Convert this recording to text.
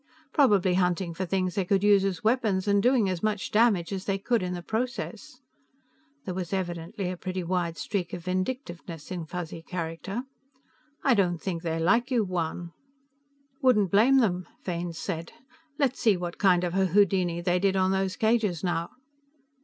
"Probably hunting for things they could use as weapons, and doing as much damage as they could in the process." There was evidently a pretty wide streak of vindictiveness in Fuzzy character. "I don't think they like you, Juan." "Wouldn't blame them," Fane said. "Let's see what kind of a houdini they did on these cages now."